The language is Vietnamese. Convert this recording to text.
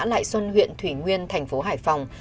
lại xuân huyện thủy nguyên thành phố hải phòng